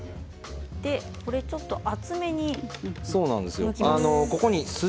ちょっと厚めにむきます。